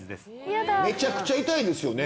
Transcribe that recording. めちゃくちゃ痛いですよね。